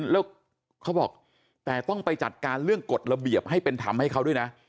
แล้วเขาบอกแต่ต้องไปจัดการเรื่องกฎระเบียบให้เป็นธรรมให้เขาด้วยนะ